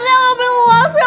oh saya diambil luas ya